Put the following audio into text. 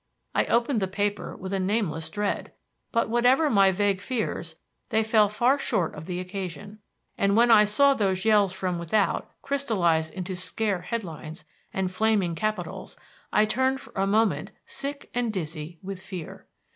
I opened the paper with a nameless dread. But whatever my vague fears, they fell far short of the occasion; and when I saw those yells from without crystallized into scare head lines and flaming capitals I turned for a moment sick and dizzy with fear.